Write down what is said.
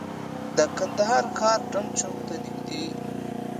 د کندهار ښار ډنډ چوک ته نږدې.